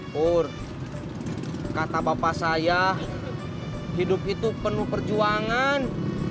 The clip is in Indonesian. pur kata bapak saya hidup itu penuh perjuangan